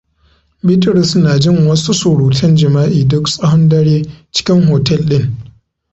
Bitrus na jin wasu surutan jima'i duk tsahon dare cikin hotel ɗin.